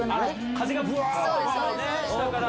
風がぶわーっと、下から。